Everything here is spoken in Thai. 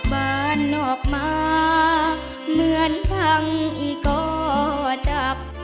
พี่นิสัยดีค่ะ